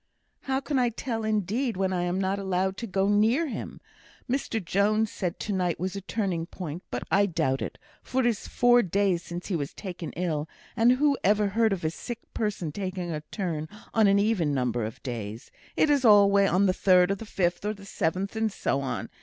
"How can I tell indeed, when I'm not allowed to go near him? Mr Jones said to night was a turning point; but I doubt it, for it is four days since he was taken ill, and who ever heard of a sick person taking a turn on an even number of days; it's always on the third, or the fifth, or seventh, or so on.